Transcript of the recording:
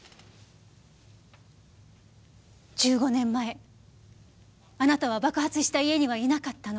１５年前あなたは爆発した家にはいなかったの。